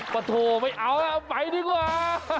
ประโทษไม่เอาแล้วเอาไปดีกว่า